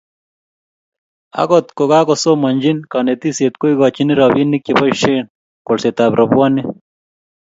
akot kokakosomonchi kanetisie koikochini robinik cheboisien kolsetab robwoniek